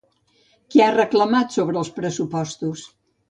Què ha reclamat sobre els pressupostos?